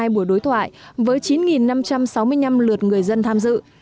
hai buổi đối thoại với chín năm trăm sáu mươi năm lượt người dân tham dự